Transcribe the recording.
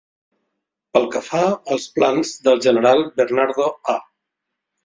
Pel que fa als plans del general Bernardo A.